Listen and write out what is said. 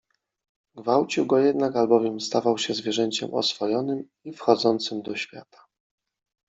Gwałcił go jednak, albowiem stawał się zwierzęciem oswojonym i wchodzącym do świata